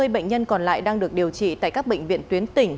hai mươi bệnh nhân còn lại đang được điều trị tại các bệnh viện tuyến tỉnh